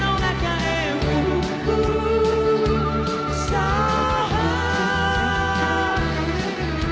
「．．．さあ」